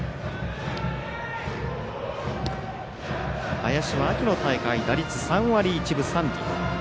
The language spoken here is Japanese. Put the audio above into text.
林は秋の大会、打率３割１分３厘。